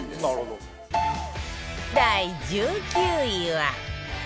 第１９位は